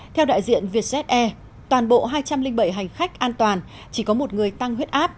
theo đại diện vietjet air toàn bộ hai trăm linh bảy hành khách an toàn chỉ có một người tăng huyết áp